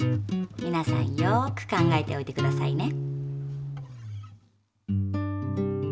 みなさんよく考えておいてくださいね。